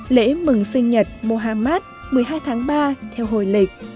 lễ mừng sinh nhật mohammad một mươi hai tháng ba theo hồi lịch